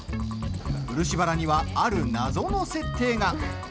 漆原には、ある謎の設定が。